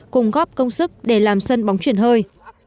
cùng góp công sức để làm sân bóng chuyển hơi